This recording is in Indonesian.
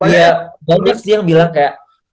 ya jadi yang bilang kayak